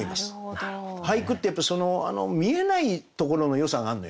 俳句ってやっぱり見えないところのよさがあんのよね。